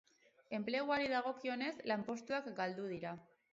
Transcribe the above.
Enpleguari dagokionez, lanpostuak galdu dira.